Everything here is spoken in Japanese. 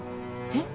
えっ？